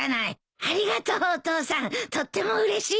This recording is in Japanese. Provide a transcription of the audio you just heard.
ありがとうお父さんとってもうれしいよ。